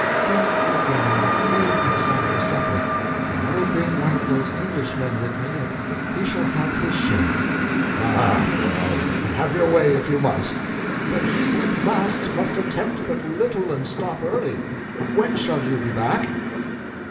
"Be good then, and save me some for supper; and I will bring one of those Englishmen with me and he shall have his share." "Ah, well, have your way if you must. But he that fasts must attempt but little and stop early. When shall you be back?"